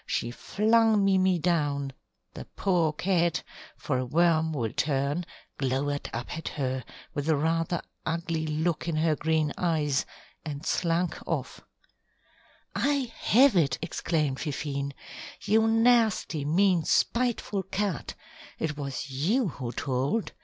She flung Mimi down, the poor cat for a worm will turn glowered up at her, with a rather ugly look in her green eyes, and slunk off. "I have it," exclaimed Fifine. "You nasty, mean, spiteful cat. It was you who told.